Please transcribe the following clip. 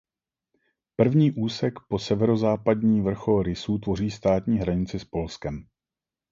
První úsek po severozápadní vrchol Rysů tvoří státní hranici s Polskem.